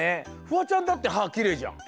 フワちゃんだって歯きれいじゃん。